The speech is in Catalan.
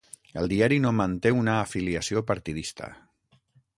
El diari no manté una afiliació partidista.